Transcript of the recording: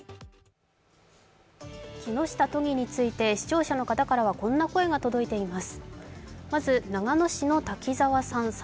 木下都議について、視聴者の方からはこんな声が届いています。